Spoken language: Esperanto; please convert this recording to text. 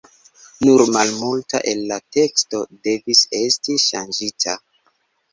Nur malmulta el la teksto devis esti ŝanĝita.